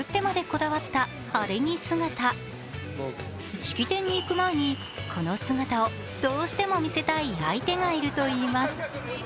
式典に行く前に、この姿をどうしても見せたい相手がいるといいます。